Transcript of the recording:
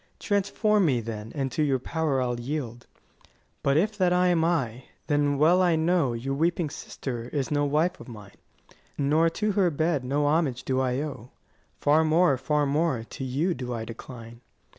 Transform me, then, and to your power I'll yield. 40 But if that I am I, then well I know Your weeping sister is no wife of mine, Nor to her bed no homage do I owe: Far more, far more to you do I decline.